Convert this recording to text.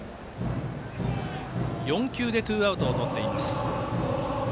４球でツーアウトをとっています。